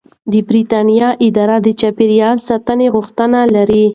د بریتانیا اداره د چاپیریال ساتنې غوښتنه لري.